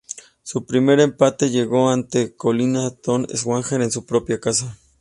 Su primer empate llegó ante el colista Lota Schwager, en su propia casa.